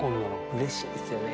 うれしいですよね。